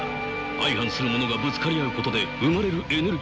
相反するものがぶつかり合うことで生まれるエネルギーなんだ。